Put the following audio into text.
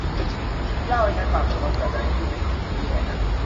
เล่าให้ฉันฟังเถอะว่าเกิดอะไรขึ้นในคืนที่แย่นั้น